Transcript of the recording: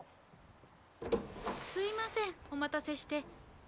すいませんお待たせして。